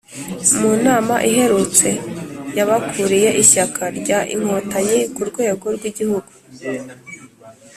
mu nama iherutse y'abakuriye ishyaka rya inkotanyi ku rwego rw'igihugu